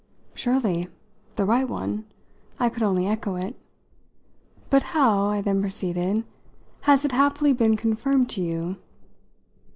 "Surely; the right one" I could only echo it. "But how," I then proceeded, "has it happily been confirmed to you?"